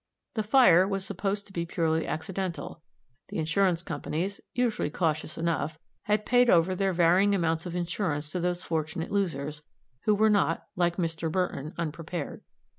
The fire was supposed to be purely accidental; the insurance companies, usually cautious enough, had paid over their varying amounts of insurance to those fortunate losers, who were not, like Mr. Burton, unprepared.